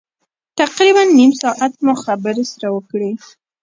تقریبا نیم ساعت مو خبرې سره وکړې.